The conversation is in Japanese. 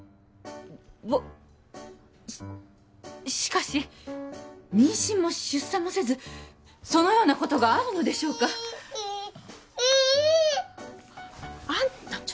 ぼっしかし妊娠も出産もせずそのようなことがあるのでしょうかあんた